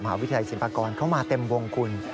วิทยาลัยศิลปากรเข้ามาเต็มวงคุณ